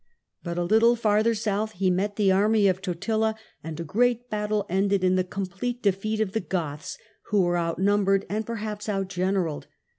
But a little farther south he met the army of Totila, and a great battle ended in the complete defeat of the Goths, who were outnumbered and perhaps outgeneralled.